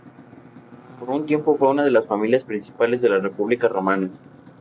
Por un tiempo fue una de las familias principales de la República Romana.